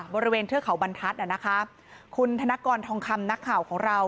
เทือกเขาบรรทัศน์นะคะคุณธนกรทองคำนักข่าวของเรา